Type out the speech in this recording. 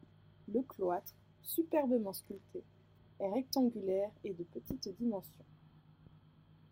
Le cloître, superbement sculpté, est rectangulaire et de petite dimension.